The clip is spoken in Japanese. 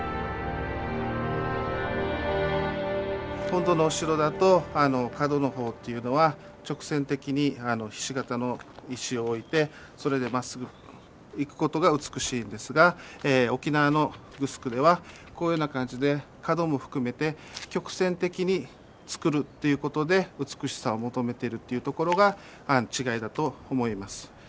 本土のお城だと角の方っていうのは直線的にひし形の石を置いてそれでまっすぐいくことが美しいんですが沖縄のグスクではこういうような感じで角も含めて曲線的につくるということで美しさを求めてるっていうところが違いだと思います。